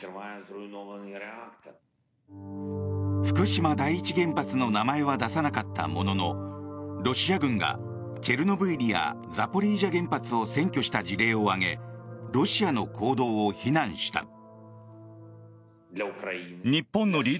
福島第一原発の名前は出さなかったもののロシア軍がチェルノブイリやザポリージャ原発を占拠した事例を挙げロシアの行動を非難した。